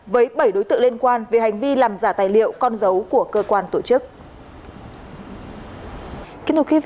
với bảy đối tượng liên quan về hành vi làm giả tài liệu con dấu của cơ quan tổ chức